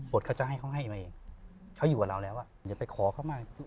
เขาจะให้เขาให้มาเองเขาอยู่กับเราแล้วอ่ะเดี๋ยวไปขอเขามา